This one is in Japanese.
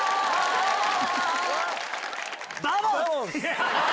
どうも！